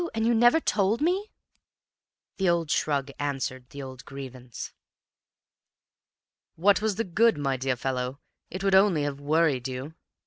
And you never told me!" The old shrug answered the old grievance. "What was the good, my dear fellow? It would only have worried you."